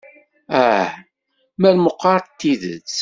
Ah, mer meqqar d tidet!